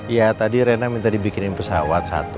iya tadi reina minta dibikinin pesawat satu